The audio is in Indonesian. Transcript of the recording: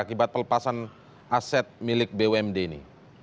akibat pelepasan aset milik bumd ini